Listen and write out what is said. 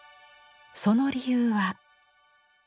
その理由は？